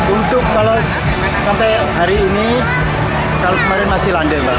untuk kalau sampai hari ini kalau kemarin masih landai mbak